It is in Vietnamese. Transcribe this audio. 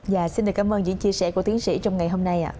dạ xin được cảm ơn những chia sẻ của tiến sĩ trong ngày hôm nay